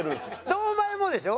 堂前もでしょ？